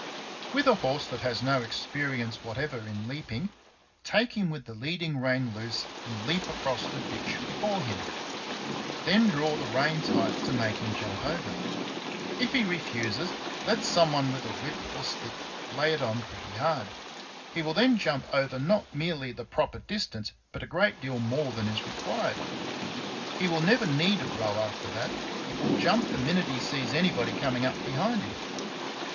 With a horse that has no experience what ever in leaping, take him with the leading rein loose and leap across the ditch before him; then draw the rein tight to make him jump over. If he refuses, let somebody with a whip or stick lay it on pretty hard ; he will then jump over not merely the proper dis tance but a great deal more than is required. He will never need a blow after that, but will jump the minute he sees anybody coming up behind him.